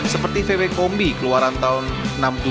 seperti vw kombi keluaran tahun dua ribu